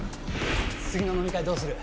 次の飲み会どうする？